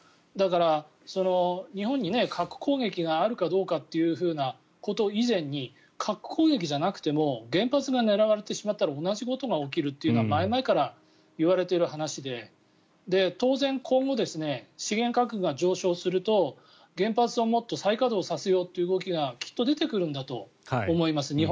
だから、日本に核攻撃があるかどうかというふうなこと以前に核攻撃じゃなくても原発が狙われてしまったら同じことが起きるというのは前々から言われている話で当然、今後資源価格が上昇すると原発をもっと再稼働させようという動きがきっと出てくるんだと思います。